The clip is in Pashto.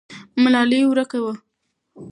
ملالۍ ورکه وه.